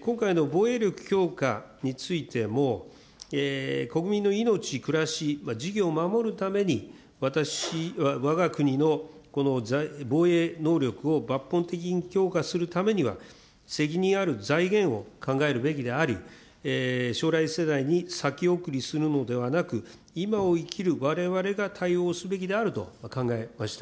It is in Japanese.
今回の防衛力強化についても、国民の命、暮らし、事業を守るために、私はわが国のこの防衛能力を抜本的に強化するためには、責任ある財源を考えるべきであり、将来世代に先送りするのではなく、今を生きるわれわれが対応すべきであると考えました。